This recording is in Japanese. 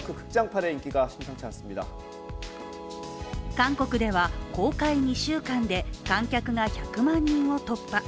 韓国では公開２週間で観客が１００万人を突破。